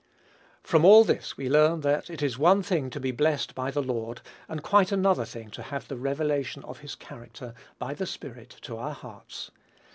From all this we learn that it is one thing to be blessed by the Lord, and quite another thing to have the revelation of his character, by the Spirit, to our hearts.